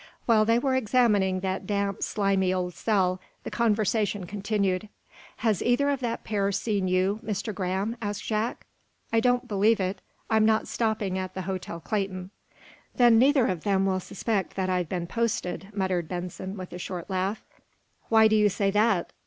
While they were examining that damp, slimy old cell, the conversation continued. "Has either of that pair seen you, Mr. Graham?" asked Jack. "I don't believe it. I'm not stopping at the Hotel Clayton." "Then neither of them will suspect that I've been posted," muttered Benson, with a short laugh. "Why do you say that?"